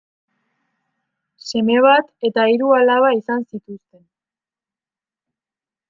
Seme bat eta hiru alaba izan zituzten.